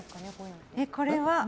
これは。